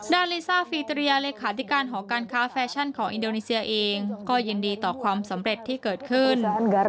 ลิซ่าฟีเตรียเลขาธิการหอการค้าแฟชั่นของอินโดนีเซียเองก็ยินดีต่อความสำเร็จที่เกิดขึ้น